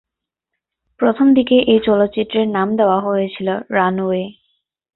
প্রথমদিকে এই চলচ্চিত্রের নাম দেয়া হয়েছিল "রানওয়ে"।